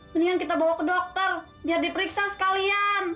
mendingan kita bawa ke dokter biar diperiksa sekalian